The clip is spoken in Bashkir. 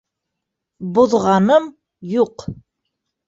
— Боҙғаным юҡ.